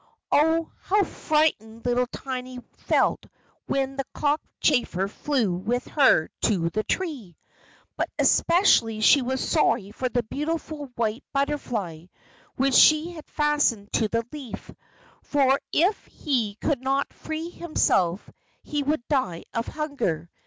Oh, how frightened little Tiny felt when the cockchafer flew with her to the tree! But especially was she sorry for the beautiful white butterfly which she had fastened to the leaf, for if he could not free himself he would die of hunger.